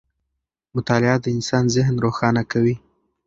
مطالعه د انسان ذهن روښانه کوي.